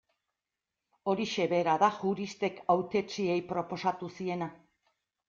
Horixe bera da juristek hautetsiei proposatu ziena.